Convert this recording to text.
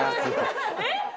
「えっ？」